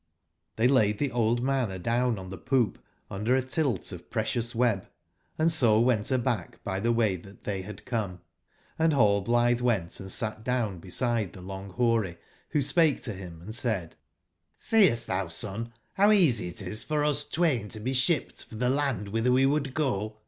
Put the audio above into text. Tbey laid tbe old man adown on tbe poop under a tilt of precious web, and so went aback by tbe way tbat tbey bad come; and Rallblitbe went & sat down beside tbe Long/boary, .wbo spake to bim and said: ''Seest tbou, son, bow easy it is for us twain to be shipped for tbe land wbitber we would go?